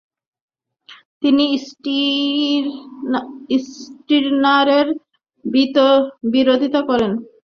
তিনি স্টির্নারেরও বিরোধিতা করেন।